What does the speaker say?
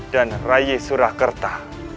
dan rai surakerta